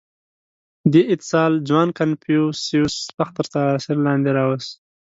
• دې اتصال ځوان کنفوسیوس سخت تر تأثیر لاندې راوست.